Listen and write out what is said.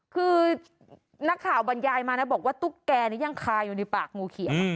คือนักข่าวบรรยายมานะบอกว่าตุ๊กแกนี่ยังคาอยู่ในปากงูเขียว